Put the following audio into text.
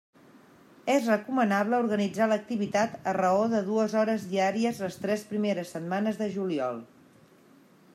És recomanable organitzar l'activitat a raó de dues hores diàries les tres primeres setmanes de juliol.